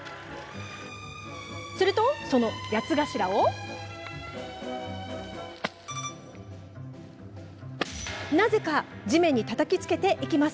すると、その八つ頭をなぜか地面にたたきつけていきます。